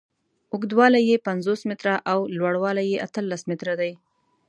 اوږدوالی یې پنځوس متره او لوړوالی یې اتلس متره دی.